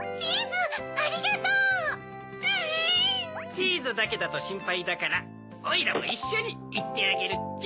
チーズだけだとしんぱいだからオイラもいっしょにいってあげるっちゃ。